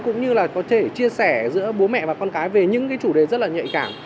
cũng như là có thể chia sẻ giữa bố mẹ và con cái về những cái chủ đề rất là nhạy cảm